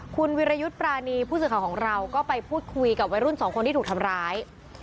คุณวิรยุทธ์ปรานีผู้สื่อข่าวของเราก็ไปพูดคุยกับวัยรุ่นสองคนที่ถูกทำร้าย